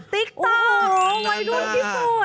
ติ๊กโตวัยรุ่นที่สุด